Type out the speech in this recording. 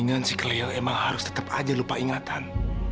dengan si cleo emang harus tetap aja lupa ingatan